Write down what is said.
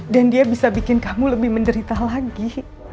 dan dia bisa bikin kamu lebih menderita lagi